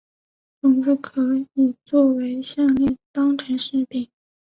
种子可以作成项炼当作装饰品。